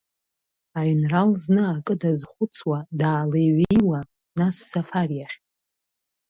Аинрал зны акы дазхәыцуа даалеиҩеиуа, нас Са-фар иахь.